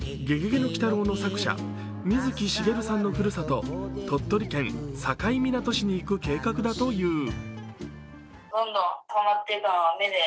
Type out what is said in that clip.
「ゲゲゲの鬼太郎」の作者、水木しげるさんのふるさと鳥取県境港市に行く予定だという。